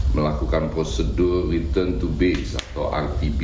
melakukan prosedur return to base atau rtb